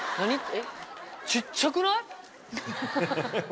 えっ？